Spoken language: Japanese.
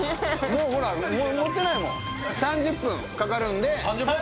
もうほらもう３０分かかるんで３０分？